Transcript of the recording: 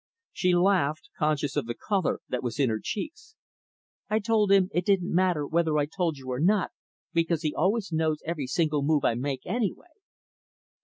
She laughed, conscious of the color that was in her cheeks. "I told him it didn't matter whether I told you or not, because he always knows every single move I make, anyway."